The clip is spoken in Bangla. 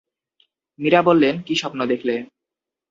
মীরা বললেন, কী স্বপ্ন দেখলে?